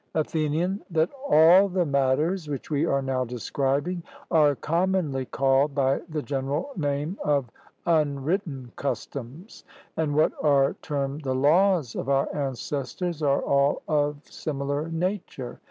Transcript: ATHENIAN: That all the matters which we are now describing are commonly called by the general name of unwritten customs, and what are termed the laws of our ancestors are all of similar nature.